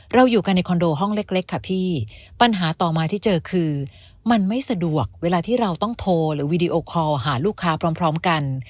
อยู่กันในคอนโดห้องเล็กค่ะพี่ปัญหาต่อมาที่เจอคือมันไม่สะดวกเวลาที่เราต้องโทรหรือวีดีโอคอลหาลูกค้าพร้อมกัน